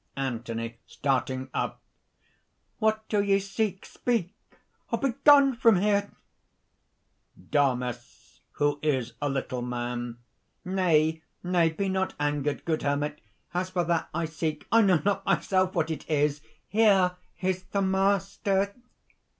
_) ANTHONY (starting up: ) "What do ye seek? Speak!... Begone from here!" DAMIS (who is a little man). "Nay! nay! be not angered, good hermit. As for that I seek, I know not myself what it is! Here is the Master!"